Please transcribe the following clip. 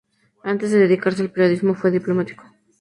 Antes de dedicarse al periodismo fue diplomático.